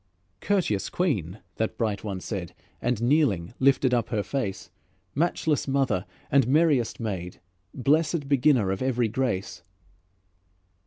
"Courteous Queen," that bright one said, And, kneeling, lifted up her face: "Matchless Mother and merriest Maid, Blessèd Beginner of every grace."